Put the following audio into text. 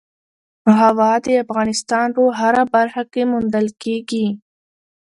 هوا د افغانستان په هره برخه کې موندل کېږي.